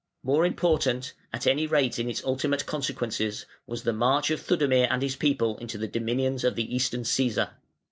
More important, at any rate in its ultimate consequences, was the march of Theudemir and his people into the dominions of the Eastern Cæsar.